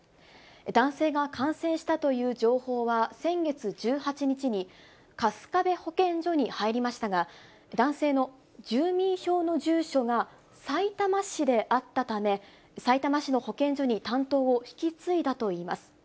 男性が感染したという情報は先月１８日に、春日部保健所に入りましたが、男性の住民票の住所がさいたま市であったため、さいたま市の保健所に担当を引き継いだといいます。